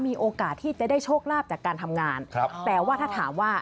มีโอกาสที่จะได้โชคลาภจากการทำงานครับแต่ว่าถ้าถามว่า